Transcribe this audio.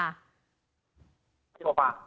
โซฟา